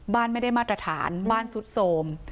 บ้านไม่ได้มาตรฐานบ้านซุดโสม